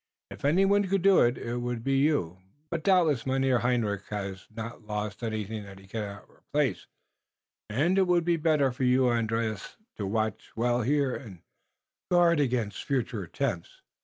"If anyone could do it, it would be you, but doubtless Mynheer Hendrik hass not lost anything that he cannot replace, und it would be better for you, Andrius, to watch well here und guard against future attempts."